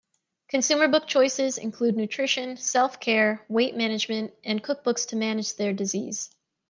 Consumer book choices include nutrition, self-care, weight management and cookbooks to manage their disease.